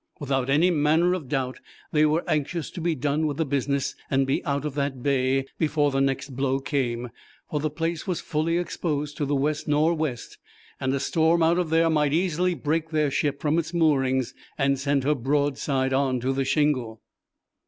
Without any manner of doubt they were anxious to be done with the business and be out of that bay before the next blow came, for the place was fully exposed to the west nor'west and a storm out of there might easily break their ship from its moorings and send her broadside on to the shingle.